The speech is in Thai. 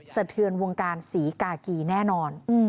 สะเทือนวงการศรีกากีแน่นอน